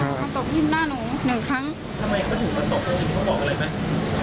เขาตบที่หน้าหนูหนึ่งครั้งทำไมเขาถึงมาตบมาบอกอะไรไหม